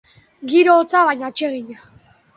Giro hotza, baina atsegina.